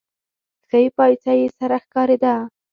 ښۍ پايڅه يې سره ښکارېده.